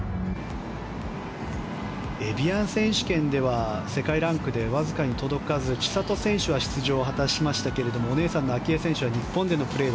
エビアン選手権では世界ランクでわずかに届かず、千怜選手は出場を果たしましたがお姉さんの明愛選手は日本勢のプレー。